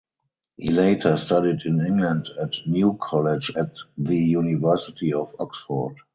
He later studied in England at New College at the University of Oxford.